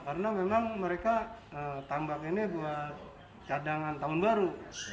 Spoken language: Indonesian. karena memang mereka tambak ini buat cadangan tahun baru